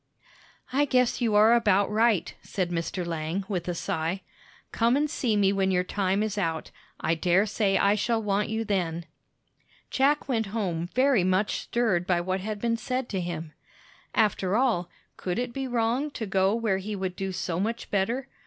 "I guess you are about right," said Mr. Lang, with a sigh. "Come and see me when your time is out; I dare say I shall want you then." Jack went home very much stirred by what had been said to him. After all, could it be wrong to go where he would do so much better?